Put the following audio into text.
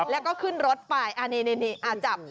แล้วก็ขึ้นรถไปนี่จับ